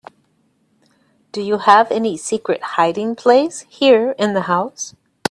Do you have any secret hiding place here in the house?